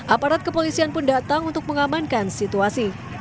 aparat kepolisian pun datang untuk mengamankan situasi